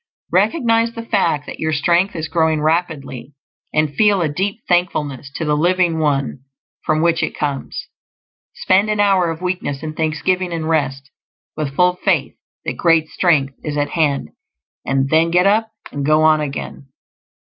Recognize the fact that your strength is growing rapidly, and feel a deep thankfulness to the Living One from whom it comes. Spend an hour of weakness in thanksgiving and rest, with full faith that great strength is at hand; and then get up and go on again.